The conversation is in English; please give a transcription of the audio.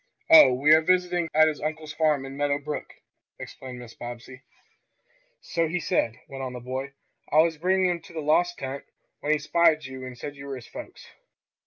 "Oh, we are visiting at his uncle's farm at Meadow Brook," explained Mrs. Bobbsey. "So he said," went on the boy. "I was bringing him to the lost tent, when he spied you and said you were his folks."